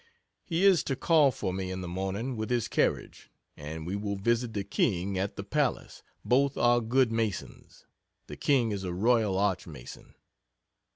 He is to call for me in the morning with his carriage, and we will visit the King at the palace both are good Masons the King is a Royal Arch Mason.